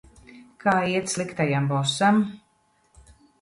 Kā iet sliktajam bosam?